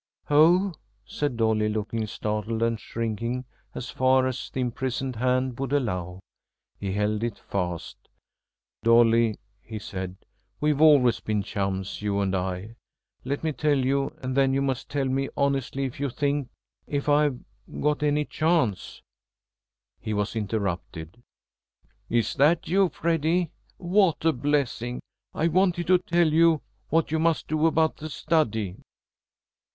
"Oh!" said Dolly, looking startled and shrinking as far as the imprisoned hand would allow. He held it fast. "Dolly," he said, "we've always been chums, you and I. Let me tell you, and then you must tell me honestly if you think if I've got any chance " He was interrupted. "Is that you, Freddy? What a blessing! I wanted to tell you what you must do about the study."